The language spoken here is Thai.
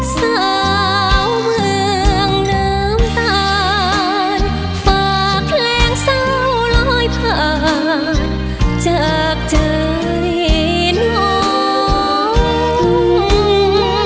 เสาเมืองน้ำตาลปากแหลงเสาร้อยผ่าจากใจน้อง